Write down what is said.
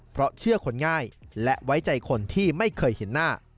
เพราะเชื่อคนง่ายและไว้ใจคนที่ไม่เคยเห็นหน้า